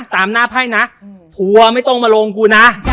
ตามหน้าไพ่นะทัวร์ไม่ต้องมาลงกูนะ